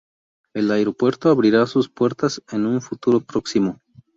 El aeropuerto abrirá sus puertas en un futuro próximo.